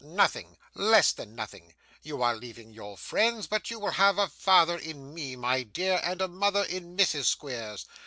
Nothing; less than nothing. You are leaving your friends, but you will have a father in me, my dear, and a mother in Mrs. Squeers.